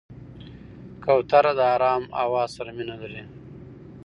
کوتره د آرام هوا سره مینه لري.